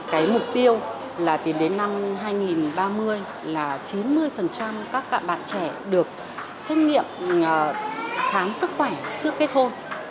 cái mục tiêu là tìm đến năm hai nghìn ba mươi là chín mươi các bạn trẻ được xét nghiệm khám sức khỏe trước kết hôn